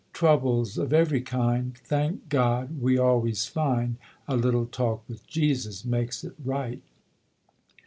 Troubles of every kind Thank God, we always find A little talk with Jesus makes it right.